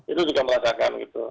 itu juga merasakan gitu